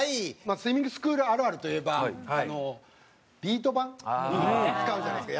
スイミングスクールあるあるといえばビート板使うじゃないですか。